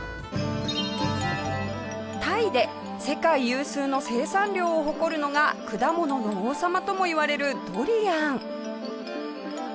タイで世界有数の生産量を誇るのが果物の王様ともいわれるドリアン。